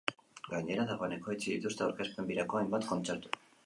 Gainera, dagoeneko itxi dituzte aurkezpen birako hainbat kontzertu.